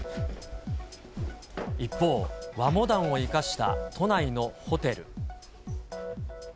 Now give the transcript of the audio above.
一方、和モダンを生かした都内のホテル。